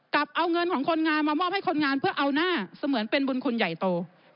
กับเอาเงินของคนงานมามอบให้คนงานเพื่อเอาหน้าเสมือนเป็นบุญคุณใหญ่โต